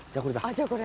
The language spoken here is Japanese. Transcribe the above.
じゃあこれ。